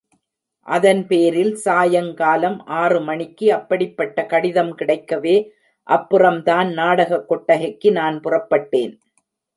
அதன் பேரில் சாயங்காலம் ஆறு மணிக்கு அப்படிப்பட்ட கடிதம் கிடைக்கவே, அப்புறம்தான் நாடகக் கொட்டகைக்கு நான் புறப்பட்டேன்.